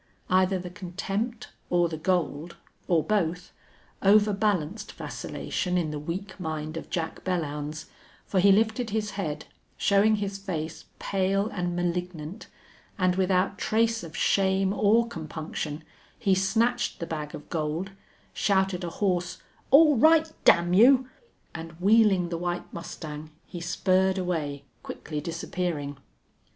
Either the contempt or the gold, or both, overbalanced vacillation in the weak mind of Jack Belllounds, for he lifted his head, showing his face pale and malignant, and without trace of shame or compunction he snatched the bag of gold, shouted a hoarse, "All right, damn you!" and, wheeling the white mustang, he spurred away, quickly disappearing.